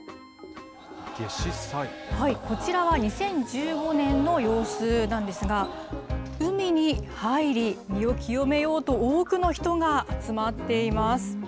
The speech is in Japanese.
こちらは２０１５年の様子なんですが、海に入り、身を清めようと多くの人が集まっています。